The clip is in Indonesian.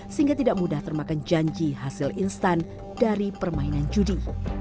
sehingga tidak mudah termakan janji hasil instan dari permainan judi